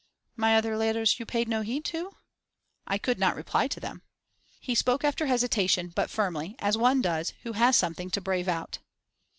'My other letters you paid no heed to?' 'I could not reply to them.' He spoke after hesitation, but firmly, as one does who has something to brave out.